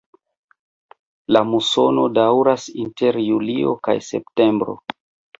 La musono daŭras inter julio kaj septembro.